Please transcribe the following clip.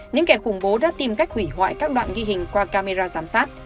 những kẻ khủng bố đã tìm cách hủy hoại các đoạn ghi hình qua camera giám sát